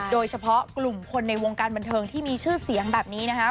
โดยเฉพาะกลุ่มคนในวงการบันเทิงที่มีชื่อเสียงแบบนี้นะคะ